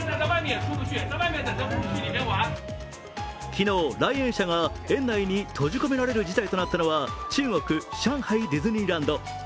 昨日、来園者が園内に閉じ込められる事態となったのは中国・上海ディズニーランド。